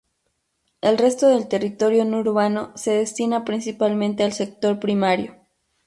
El resto del territorio no urbano se destina principalmente al sector primario.